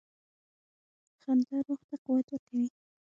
• خندا روح ته قوت ورکوي.